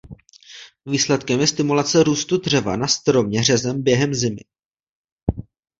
Výsledkem je stimulace růstu dřeva na stromě řezem během zimy.